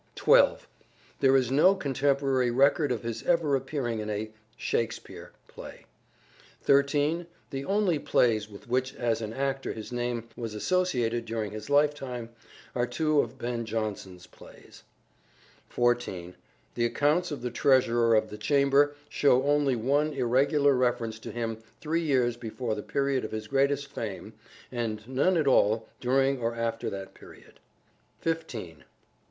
12. There is no contemporary record of his ever appearing in a " Shakespeare " play. 13. The only plays with which as an actor his name was associated during his lifetime are two of Ben Jonson's plays. 14. The accounts of the Treasurer of the Chamber show only one irregular reference to him three years before the period of his greatest fame, and none at all during or after that period. THE STRATFORDIAN VIEW 87 15.